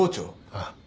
ああ。